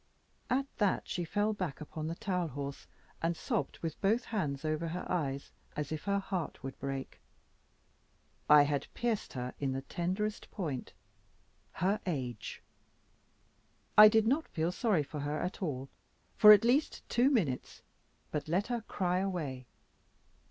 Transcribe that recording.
At that, she fell back upon the towel horse, and sobbed with both hands over her eyes, as if her heart would break. I had pierced her in the tenderest point her age. I did not feel sorry for her at all for at least two minutes, but let her cry away.